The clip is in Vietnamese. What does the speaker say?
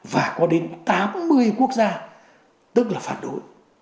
và có đến tám mươi quốc gia tức là phản đối